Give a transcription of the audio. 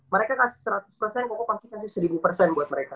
mereka kasih seratus koko kasih seribu buat mereka